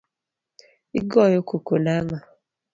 Igoyo koko nang'o?